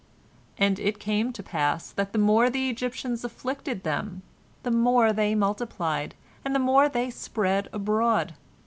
And it came to pass that the more the Egyptians afflicted them, the more they multiplied, and the more they spread abroad.